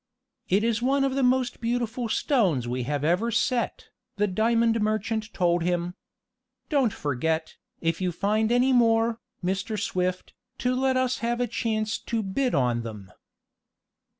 "It is one of the most beautiful stones we have ever set," the diamond merchant told him. "Don't forget, if you find any more, Mr. Swift, to let us have a chance to bid on them."